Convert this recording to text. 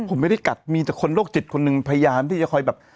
ผมไม่ได้กัดมีแต่คนโรคจิตคนหนึ่งพยายามที่จะคอยแบบ